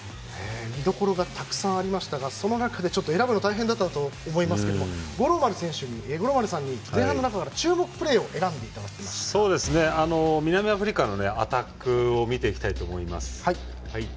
見どころがたくさんありましたがその中で、選ぶの大変だったと思いますけれども五郎丸さんに前半の中から注目プレーを南アフリカのアタックを見ていきたいと思います。